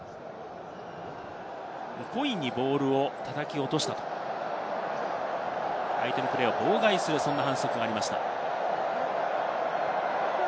故意にボールを叩き落としたという、相手のプレーを妨害する反則がありました。